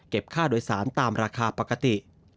ค่าโดยสารตามราคาปกติ